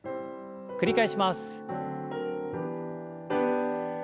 繰り返します。